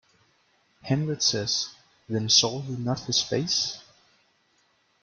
Hamlet says: Then saw you not his face?